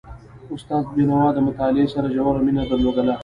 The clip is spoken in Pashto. استاد بينوا د مطالعې سره ژوره مینه درلودله.